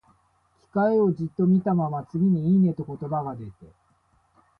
機械をじっと見たまま、次に、「いいね」と言葉が出て、